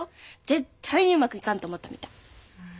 絶対にうまくいかんと思ったみたい。